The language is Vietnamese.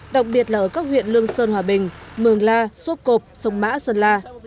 đặc biệt là ở các huyện lương sơn hòa bình mường la sốp cộp sông mã sơn la